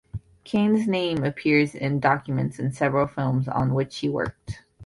Cain's name appears in documents in several films on which he worked.